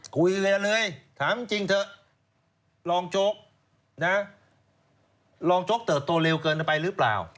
คุยเรียนเลยถามจริงเถอะรองโจ๊กนะรองโจ๊กเติบโตเร็วเกินไปหรือเปล่า